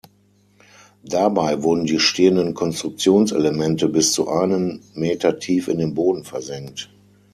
Dabei wurden die stehenden Konstruktionselemente bis zu einen Meter tief in den Boden versenkt.